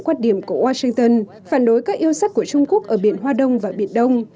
quan điểm của washington phản đối các yêu sách của trung quốc ở biển hoa đông và biển đông